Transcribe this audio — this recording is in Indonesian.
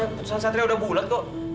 keputusan satria sudah bulat kok